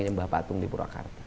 menyembah patung di purwakarta